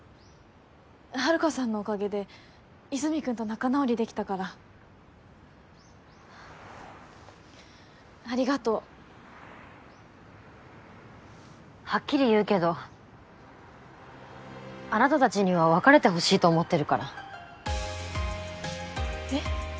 遥さんのおかげで和泉君と仲直りできたからありがとうはっきり言うけどあなた達には別れてほしいと思ってるからえっ？